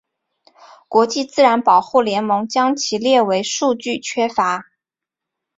国际自然保护联盟将其列为数据缺乏。